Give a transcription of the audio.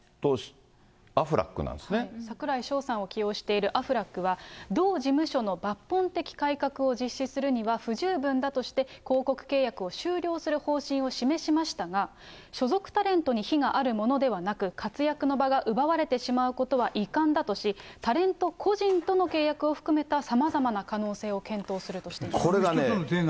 その中で出てきたのが、櫻井櫻井翔さんを起用しているアフラックは、同事務所の抜本的改革を実施するには不十分だとして、広告契約を終了する方針を示しましたが、所属タレントに非があるものではなく、活躍の場が奪われてしまうことは遺憾だとし、タレント個人との契約を含めたさまざまな可能性を検討するとしてこれがね。